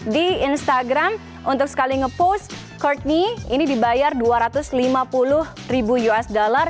di instagram untuk sekali ngepost kourtney ini dibayar dua ratus lima puluh ribu usd